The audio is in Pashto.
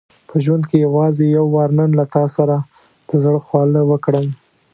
په ژوند کې یوازې یو وار نن له تا سره د زړه خواله وکړم.